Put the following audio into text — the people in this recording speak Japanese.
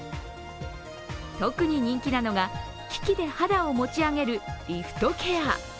特に人気なのが、機器で肌を持ち上げる、リフトケア。